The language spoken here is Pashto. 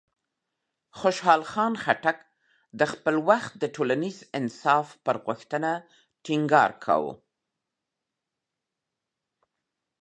خوشحال خان خټک د خپل وخت د ټولنیز انصاف پر غوښتنه ټینګار وکړ.